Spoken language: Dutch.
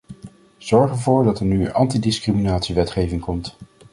Zorg ervoor dat er nu antidiscriminatiewetgeving komt.